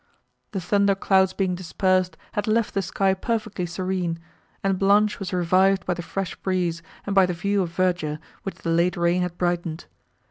The thunder clouds being dispersed, had left the sky perfectly serene, and Blanche was revived by the fresh breeze, and by the view of verdure, which the late rain had brightened.